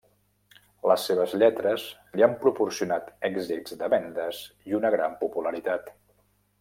Les seves lletres li han proporcionat èxits de vendes i una gran popularitat.